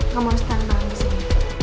kamu harus tanda tangan disini